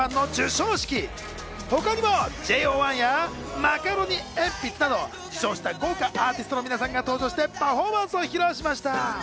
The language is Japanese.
他にもＪＯ１やマカロニえんぴつなど受賞した豪華アーティストの皆さんが登場して、パフォーマンスを披露しました。